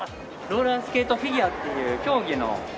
ローラースケートフィギュアっていう競技の。